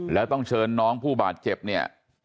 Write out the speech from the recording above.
แล้วต้องเชิญน้องผู้บาดเจ็บเนี่ย